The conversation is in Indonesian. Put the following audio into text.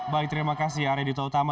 baik terima kasih arie dito utama